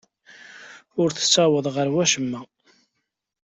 Ur tessaweḍ ɣer wacemma.